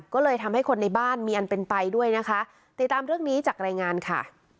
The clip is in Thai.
ก็เลยทำให้คนในบ้านมีอันเป็นไปด้วยนะคะติดตามเรื่องนี้จากรายงานค่ะ